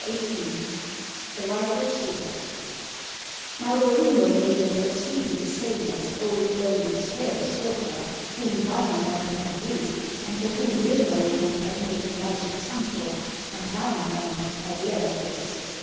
THE RIVAL SUITORS Now the Rainbow maiden was really the same as old Louhi's fairest daughter, whom Wainamoinen had wooed, and for whom Ilmarinen had made the magic Sampo, and Wainamoinen had learned this.